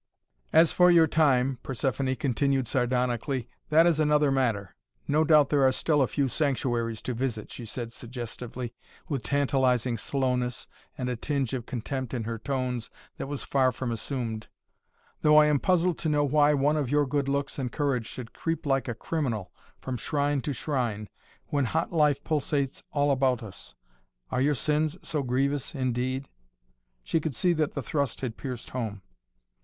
"As for your time," Persephoné continued sardonically, "that is another matter. No doubt there are still a few sanctuaries to visit," she said suggestively, with tantalizing slowness and a tinge of contempt in her tones that was far from assumed. "Though I am puzzled to know why one of your good looks and courage should creep like a criminal from shrine to shrine, when hot life pulsates all about us. Are your sins so grievous indeed?" She could see that the thrust had pierced home.